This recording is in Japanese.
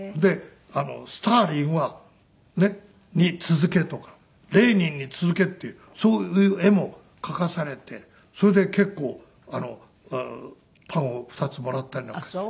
スターリンに続けとかレーニンに続けってそういう絵も描かされてそれで結構パンを２つもらったりなんかして。